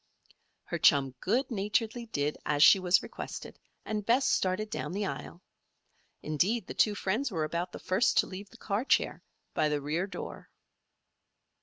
Her chum good naturedly did as she was requested and Bess started down the aisle. Indeed, the two friends were about the first to leave the chair car by the rear door.